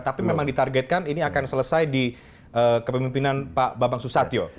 tapi memang ditargetkan ini akan selesai di kepemimpinan pak babang susatyo